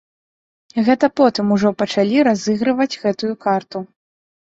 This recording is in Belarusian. Гэта потым ужо пачалі разыгрываць гэтую карту.